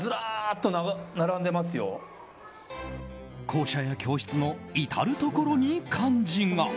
校舎や教室の至るところに漢字が。